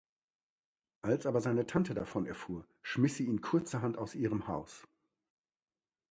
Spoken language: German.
Als aber seine Tante davon erfuhr, schmiss sie ihn kurzerhand aus ihrem Haus.